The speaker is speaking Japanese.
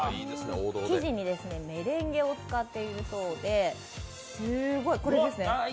生地にメレンゲを使っているそうですっごい、これですね。